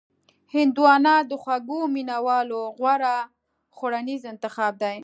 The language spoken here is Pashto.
هندوانه د خوږو مینوالو غوره خوړنیز انتخاب دی.